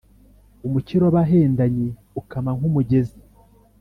Umukiro w’abahendanyi ukama nk’umugezi,